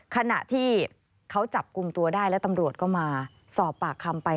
ขณะที่เขาจับกลุ่มตัวได้แล้วตำรวจก็มาสอบปากคำไป